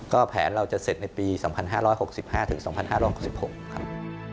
ก็แผนเราจะเสร็จในปี๒๕๖๕๒๕๖๖ครับ